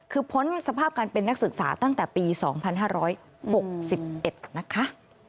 คือพ้นสภาพการเป็นนักศึกษาตั้งแต่ปี๒๕๖๑นะคะ